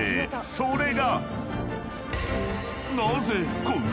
［それが］